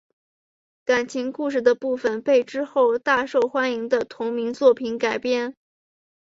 感情故事的部分被之后大受欢迎的同名作品改编。